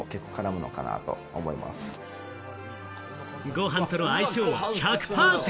ご飯との相性は１００％！